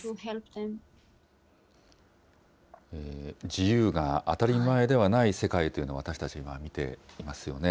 自由が当たり前ではない世界というのを、私たち今見ていますよね。